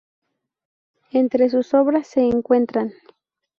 Entre sus obras se encuentran